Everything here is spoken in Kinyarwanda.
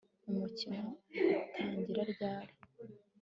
Umukino utangira ryari